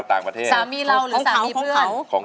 สวัสดีครับคุณหน่อย